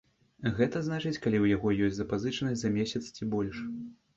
Гэта значыць, калі ў яго ёсць запазычанасць за месяц ці больш.